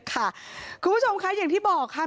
คุณผู้ชมคะอย่างที่บอกค่ะ